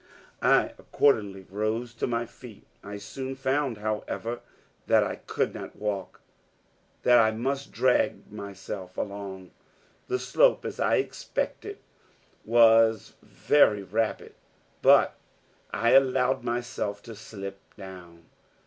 I accordingly rose to my feet. I soon found, however, that I could not walk; that I must drag myself along. The slope as I expected was very rapid; but I allowed myself to slip down.